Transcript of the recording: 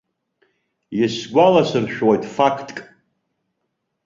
Исгәаласыршәоит фақтк.